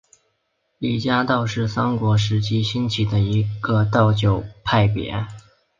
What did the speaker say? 李家道是三国时期兴起的一个道教派别。